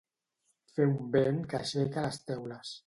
Fer un vent que aixeca les teules.